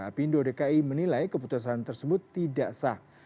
apindo dki menilai keputusan tersebut tidak sah